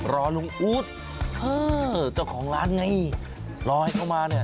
รอลุงอู๊ดเจ้าของร้านไงรอให้เขามาเนี่ย